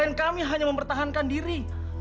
klien kami hanya mempertahankan diri